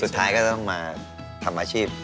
สุดท้ายก็ต้องมาทำอาชีพ